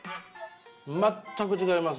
全く違いますね。